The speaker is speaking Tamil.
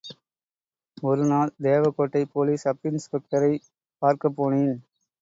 ஒருநாள் தேவகோட்டை போலீஸ் சப் இன்ஸ்பெக்டரைப் பார்க்கப் போனேன்.